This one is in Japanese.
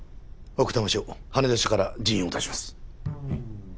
奥多摩署羽田署から人員を出します。